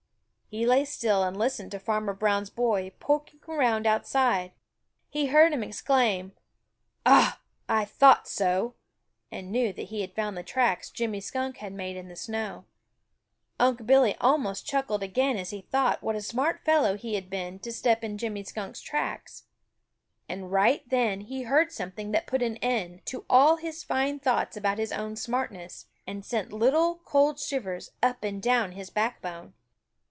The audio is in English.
He lay still and listened to Farmer Brown's boy poking around outside. He heard him exclaim: "Ah, I thought so!" and knew that he had found the tracks Jimmy Skunk had made in the snow. Unc' Billy almost chuckled again as he thought what a smart fellow he had been to step in Jimmy Skunk's tracks. And right then he heard something that put an end to all his fine thoughts about his own smartness, and sent little cold shivers up and down his backbone.